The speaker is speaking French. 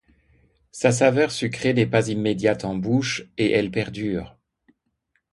Sa saveur sucrée n'est pas immédiate en bouche et elle perdure.